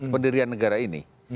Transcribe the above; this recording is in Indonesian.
penderian negara ini